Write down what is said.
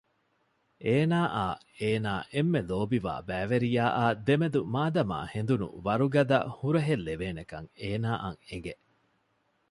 އޭނާއާ އޭނާ އެންމެ ލޯބިވާ ބައިވެރިޔާއާ ދެމެދު މާދަމާ ހެނދުނު ވަރުގަދަ ހުރަހެއްލެވޭނެކަން އޭނާއަށް އެނގެ